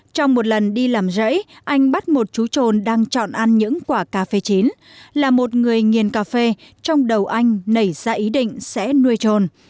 trong một lần đi làm rẫy anh bắt một chú trồn đang chọn ăn những quả cà phê chín là một người nghiền cà phê trong đầu anh nảy ra ý định sẽ nuôi trồn